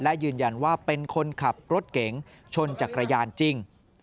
และยืนยันว่าเป็นคนขับรถเก๋งชนจักรยานจริง